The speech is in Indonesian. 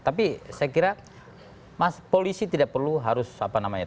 tapi saya kira mas polisi tidak perlu harus apa namanya